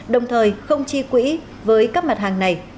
đồng thời không chi quỹ với các mặt hàng này